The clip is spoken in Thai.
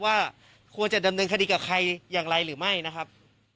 ว่าควรจะดำเนินคดีกับใครอย่างไรหรือไม่นะครับ